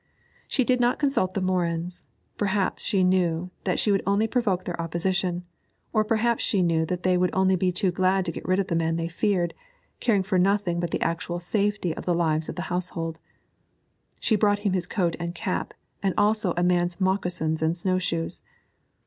She did not consult the Morins; perhaps she knew that she would only provoke their opposition, or perhaps she knew that they would only be too glad to get rid of the man they feared, caring for nothing but the actual safety of the lives in the household. She brought him his coat and cap and also a man's moccasins and snow shoes.